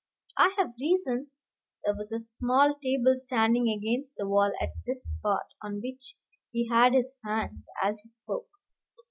I have my reasons " There was a small table standing against the wall at this spot, on which he had his hand as he spoke.